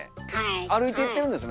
歩いていってるんですね